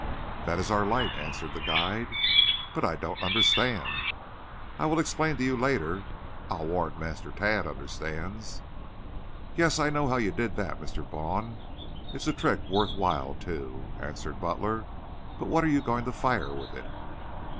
"That is our light," answered the guide. "But I don't understand." "I will explain to you later. I'll warrant Master Tad understands." "Yes, I know how you did that, Mr. Vaughn. It's a trick worth while, too," answered Butler. "But what are you going to fire with it?"